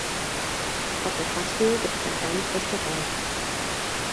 Auf der Passhöhe gibt es ein kleines Restaurant.